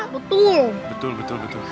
betul betul betul